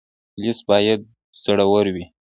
پولیس باید زړور وي